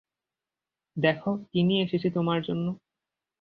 দেখো কি নিয়ে এসেছি তোমার জন্য।